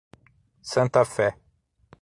Santa Fé